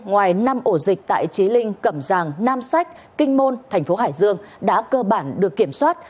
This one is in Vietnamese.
ngoài năm ổ dịch tại trí linh cẩm giàng nam sách kinh môn thành phố hải dương đã cơ bản được kiểm soát